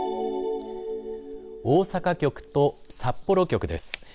大阪局と札幌局です。